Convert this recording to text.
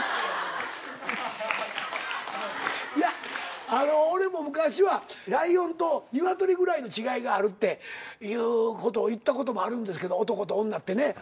いや俺も昔はライオンとニワトリぐらいの違いがあるっていうことを言ったこともあるんですけど男と女ってね。